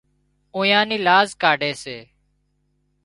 اويئان نِِي لاز ڪاڍي سي